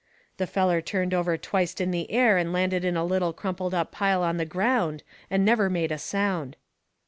The feller turned over twicet in the air and landed in a little crumpled up pile on the ground, and never made a sound.